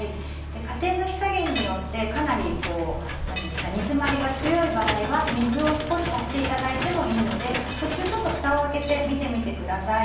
家庭の火加減によってかなり煮詰まりが強い場合は水を少し足していただいてもいいので途中ちょっとふたを開けて見てみてください。